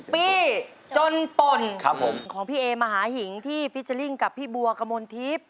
ปี้จนป่นของพี่เอมหาหิงที่ฟิเจอร์ลิ่งกับพี่บัวกมลทิพย์